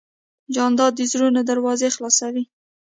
جانداد د زړونو دروازه خلاصوي.